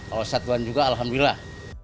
kalau satuan juga alhamdulillah